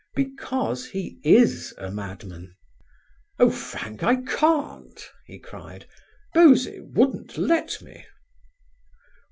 "Because he is a madman." "Oh, Frank, I can't," he cried. "Bosie wouldn't let me."